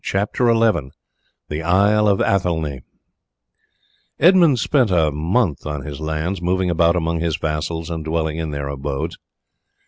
CHAPTER XI: THE ISLE OF ATHELNEY Edmund spent a month on his lands, moving about among his vassals and dwelling in their abodes.